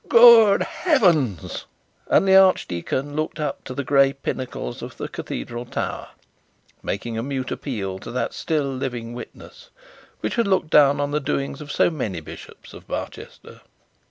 'Good heavens!' and the archdeacon looked up to the gray pinnacles of the cathedral tower, making a mute appeal to that still living witness which had looked down on the doings of so many bishops of Barchester.